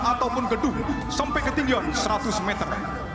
ataupun gedung sampai ketinggian seratus meter